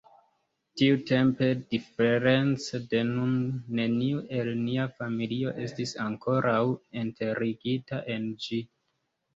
Tiutempe diference de nun, neniu el nia familio estis ankoraŭ enterigita en ĝi.